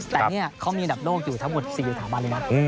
แต่นี่เขามีอันดับโลกอยู่ทั้งหมด๔สถาบันเลยนะ